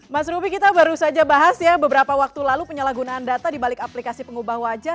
mas ruby kita baru saja bahas ya beberapa waktu lalu penyalahgunaan data di balik aplikasi pengubah wajah